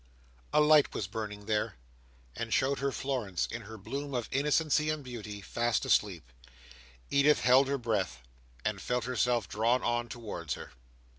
A light was burning there, and showed her Florence in her bloom of innocence and beauty, fast asleep. Edith held her breath, and felt herself drawn on towards her.